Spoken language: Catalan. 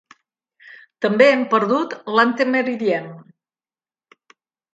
També hem perdut l'ante meridiem.